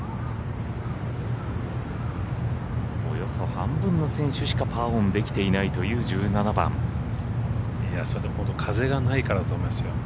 およそ半分の選手しかパーオンできていないという風がないからだと思いますよ。